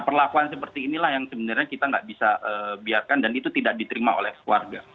perlakuan seperti inilah yang sebenarnya kita nggak bisa biarkan dan itu tidak diterima oleh keluarga